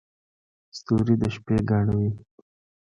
• ستوري د شپې ګاڼه وي.